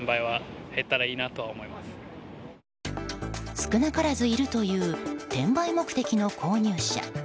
少なからずいるという転売目的の購入者。